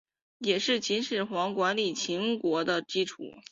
也是秦始皇管理秦国的基础。